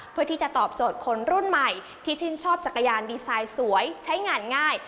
เพื่อที่จะตอบโจทย์คนรุ่นใหม่ที่ชื่นชอบจักรยานดีไซน์สวยใช้งานง่าย